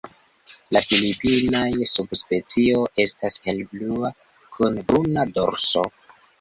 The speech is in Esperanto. La filipinaj subspecio estas helblua kun bruna dorso.